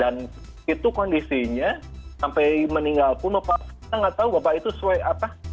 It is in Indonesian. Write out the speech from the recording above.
dan itu kondisinya sampai meninggal pun bapak saya nggak tahu bapak itu swep apa